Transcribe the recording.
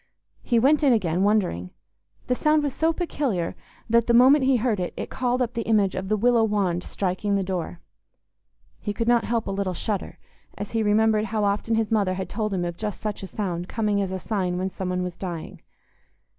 He went in again, wondering; the sound was so peculiar that the moment he heard it it called up the image of the willow wand striking the door. He could not help a little shudder, as he remembered how often his mother had told him of just such a sound coming as a sign when some one was dying.